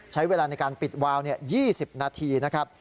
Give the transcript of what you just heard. ใช้เวลาในการปิดวาว๒๐นาทีนะครับ